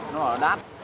nó là đắt